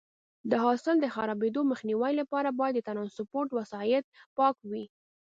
د حاصل د خرابېدو مخنیوي لپاره باید د ټرانسپورټ وسایط پاک وي.